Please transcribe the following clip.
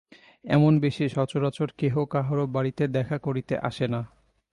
এমন বেশে সচরাচর কেহ কাহারো বাড়িতে দেখা করিতে আসে না।